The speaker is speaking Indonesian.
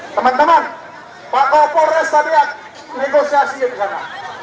teman teman pak kopol res tadi yang negosiasi disana